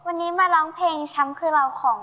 วันนี้มาร้องเพลงช้ำคือเราของ